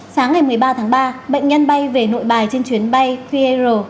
sáng ngày một mươi ba tháng ba bệnh nhân bay về nội bài trên chuyến bay fiero chín trăm sáu mươi tám